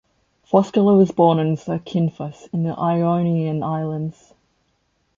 Foscolo was born on Zakynthos in the Ionian Islands.